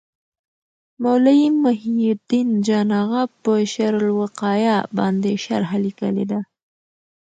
مولوي محي الدین جان اغا په شرح الوقایه باندي شرحه لیکلي ده.